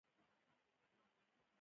تاسو رهبر یاست دا سمه خبره ده.